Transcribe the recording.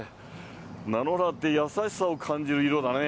菜の花って優しさを感じる色だね